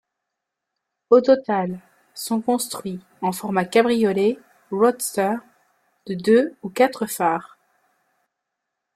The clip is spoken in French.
Au total, sont construits, en format cabriolet, roadster, de deux ou quatre phares.